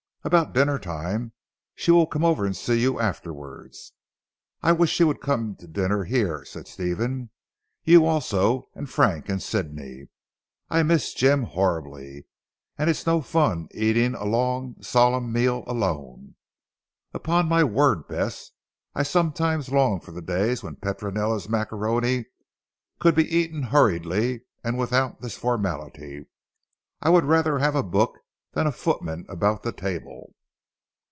"About dinner time. She will come over and see you afterwards." "I wish she would come to dinner here," said Stephen, "you also and Frank and Sidney. I miss Jim horribly, and it is no fun eating a long solemn meal alone. Upon my word Bess, I sometimes long for the days when Petronella's macaroni could be eaten hurriedly, and without this formality. I would rather have a book than a footman about the table."